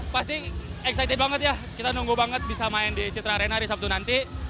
pasti excited banget ya kita nunggu banget bisa main di citra arena di sabtu nanti